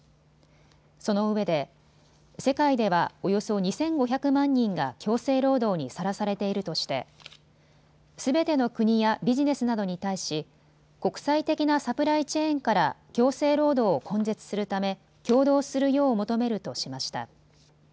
そのうえで世界ではおよそ２５００万人が強制労働にさらされているとしてすべての国やビジネスなどに対し、国際的なサプライチェーンから強制労働を根絶するため協働するよう求めるとしました。